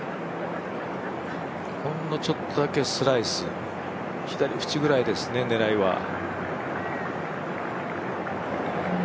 ほんのちょっとだけスライス左縁ぐらいですね、狙いは。